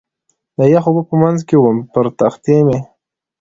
د یخو اوبو په منځ کې ووم، پر تختې مې.